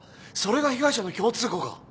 それが被害者の共通項か。